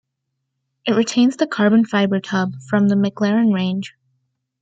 It retains the carbon fibre tub from the McLaren range.